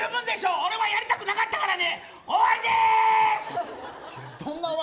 俺やりたくなかったからね！